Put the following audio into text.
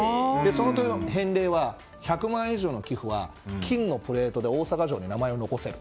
その返礼で１００万円以上の寄付は金のプレートで大阪城に名前を残せる。